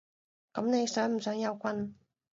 噉你想唔想有棍？